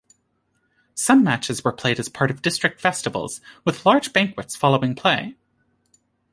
Some matches were played as part of district festivals, with large banquets following play.